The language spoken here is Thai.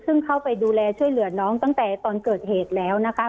ซึ่งเข้าไปดูแลช่วยเหลือน้องตั้งแต่ตอนเกิดเหตุแล้วนะคะ